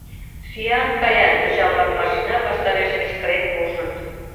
Сӱан кая! — йоча-влак машина ваштареш кычкырен куржыт.